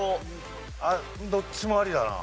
どっちもありだな。